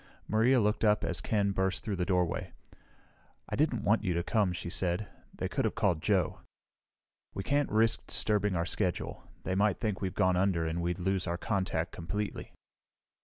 Maria looked up as Ken burst through the doorway. "I didn't want you to come," she said. "They could have called Joe." "We can't risk disturbing our schedule. They might think we've gone under and we'd lose our contact completely."